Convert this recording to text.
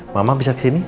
mama bisa kesini